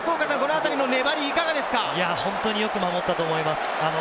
よく守ったと思います。